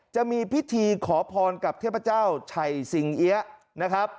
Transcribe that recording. จะมีพิธีขอพรกับเทพเจ้าชัยสิงเอี๊ยะนะครับ